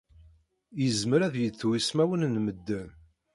Yezmer ad yettu ismawen n medden.